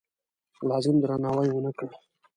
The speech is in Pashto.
لازم درناوی ونه کړ.